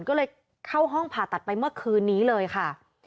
ก็เลยเข้าห้องผ่าตัดไปเมื่อคืนนี้เลยค่ะ